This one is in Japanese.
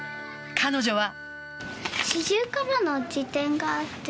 彼女は。